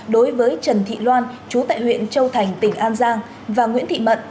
đối với trần thị loan chú tại huyện châu thành tỉnh an giang và nguyễn thị mận